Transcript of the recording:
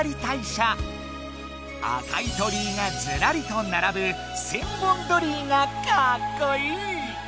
あかい鳥居がずらりと並ぶ千本鳥居がかっこいい！